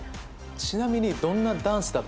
ちなみに。